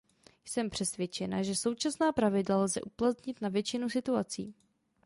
Jsem přesvědčena, že současná pravidla lze uplatnit na většinu situací.